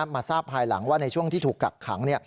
มาทราบภายหลังว่าในช่วงที่ถูกกักขัง